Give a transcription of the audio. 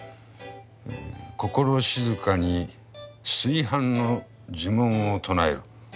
心静かに炊飯の呪文を唱える。